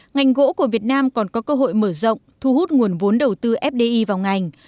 ngành gỗ của việt nam còn có cơ hội mở rộng thu hút nguồn vốn đầu tư fdi vào ngành